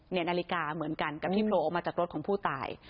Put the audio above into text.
นาฬิกาเหมือนกันกับที่โผล่ออกมาจากรถของผู้ตาย